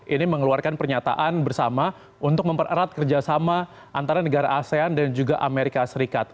ini mengeluarkan pernyataan bersama untuk mempererat kerjasama antara negara asean dan juga amerika serikat